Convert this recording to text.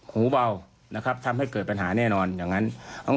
หูเบานะครับทำให้เกิดปัญหาแน่นอนอย่างนั้น